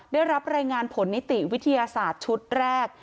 ได้รับรายงานผลนิติวิทยาศาสตร์ชุดแรก